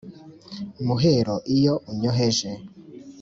mahero iyo unyoheje